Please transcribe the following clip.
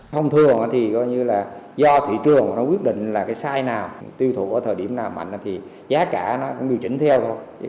không thường thì do thị trường quyết định là cái size nào tiêu thụ ở thời điểm nào mạnh thì giá cả nó cũng được chỉnh theo thôi